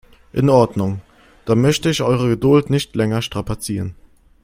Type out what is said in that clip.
In Ordnung, dann möchte ich eure Geduld nicht länger strapazieren.